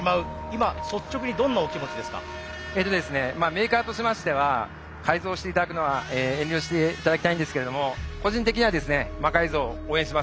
メーカーとしましては改造して頂くのは遠慮して頂きたいんですけれども個人的にはですね魔改造応援します！